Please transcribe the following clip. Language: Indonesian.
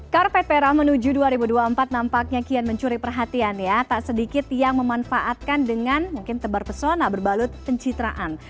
karpet merah menuju dua ribu dua puluh empat nampaknya kian mencuri perhatian ya tak sedikit yang memanfaatkan dengan mungkin tebar pesona berbalut pencitraan